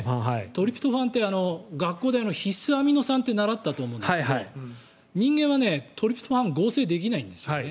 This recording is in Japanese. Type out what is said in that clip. トリプトファンって学校で必須アミノ酸って習ったと思うんですけど人間はトリプトファンを合成できないんですよね。